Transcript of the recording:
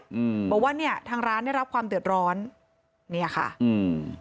อืมบอกว่าเนี้ยทางร้านได้รับความเดือดร้อนเนี้ยค่ะอืม